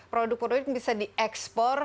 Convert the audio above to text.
produk produk ini bisa diekspor